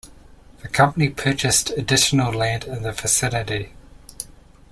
The company purchased additional land in the vicinity.